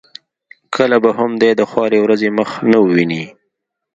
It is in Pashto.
کله به هم دای د خوارې ورځې مخ نه وویني.